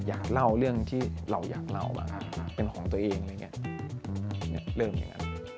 อยากเล่าเรื่องที่เราอยากเล่าเป็นของตัวเองอะไรอย่างนี้